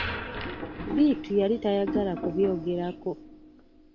Bittu yali tayagala kubyogerako.